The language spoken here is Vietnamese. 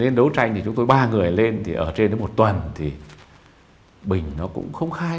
nên đấu tranh thì chúng tôi ba người lên thì ở trên đến một tuần thì bình nó cũng không khai